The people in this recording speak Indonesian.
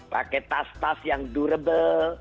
pakai tas tas yang durable